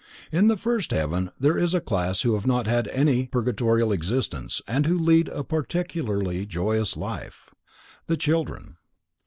In the first heaven there is a class who have not had any purgatorial existence and who lead a particularly joyous life: the children.